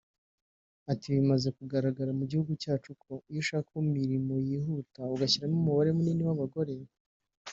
Ati “Bimaze kugaragara mu gihugu cyacu ko iyo ushaka imirimo yihuta ugashyiramo umubare munini w’abagore